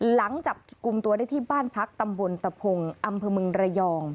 หลังจับกลุ่มตัวได้ที่บ้านพักตำบลตะพงอำเภอเมืองระยอง